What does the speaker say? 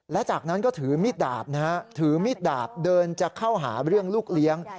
และจากนั้นก็ถือมีดดาบนะฮะถือมีดดาบเดินจะเข้าหาเรื่องลูกเลี้ยง